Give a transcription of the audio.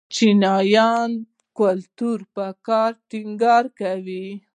چینايي کلتور پر کار ټینګار کوي.